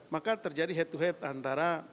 maka terjadi head to head antara